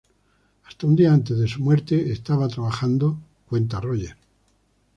Hasta un día antes de su muerte estaba trabajando", cuenta Roger.